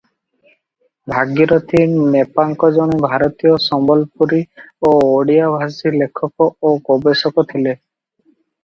ଭାଗିରଥୀ ନେପାକ ଜଣେ ଭାରତୀୟ ସମ୍ବଲପୁରୀ ଓ ଓଡ଼ିଆ-ଭାଷୀ ଲେଖକ ଓ ଗବେଷକ ଥିଲେ ।